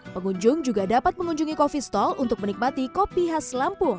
pengunjung juga dapat mengunjungi coffee stol untuk menikmati kopi khas lampung